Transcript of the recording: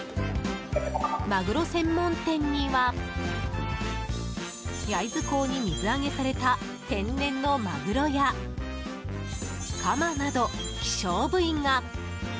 マグロ専門店には焼津港に水揚げされた天然のマグロやカマなど希少部位が。